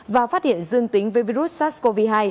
và phát hiện dương tính với virus sars cov hai